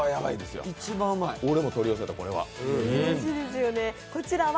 俺も取り寄せた、これは。